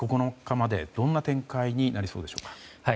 ５月９日までどんな展開になりそうですか。